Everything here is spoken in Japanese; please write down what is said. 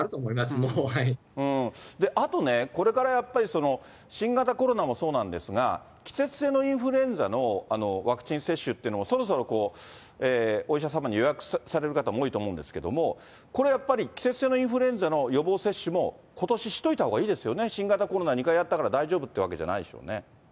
あとね、これからやっぱり新型コロナもそうなんですが、季節性のインフルエンザのワクチン接種っていうのも、そろそろお医者様に予約される方も多いと思うんですけれども、これ、やっぱり季節性のインフルエンザの予防接種も、ことし、しといたほうがいいですよね、新型コロナ２回やったから大丈夫ってわけじゃないでしょうね。